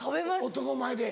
男の前で。